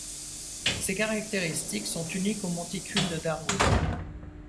Ces caractéristiques sont uniques aux Monticules de Darwin.